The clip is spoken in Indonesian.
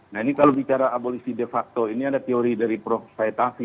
nah ini kalau bicara abolisi de facto ini ada teori dari prof said afi